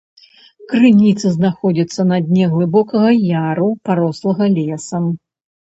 Крыніца знаходзіцца на дне глыбокага яру, парослага лесам.